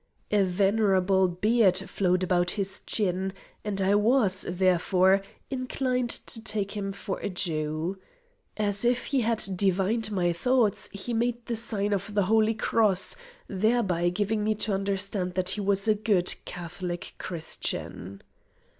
A venerable beard flowed about his chin, and I was, therefore, inclined to take him for a Jew. As if he had divined my thoughts he made the sign of the holy cross, thereby giving me to understand that he was a good Catholic Christian.